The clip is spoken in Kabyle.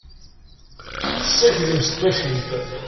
Tessaklem s tmacint.